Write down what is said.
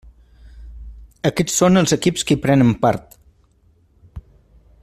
Aquests són els equips que hi prenen part.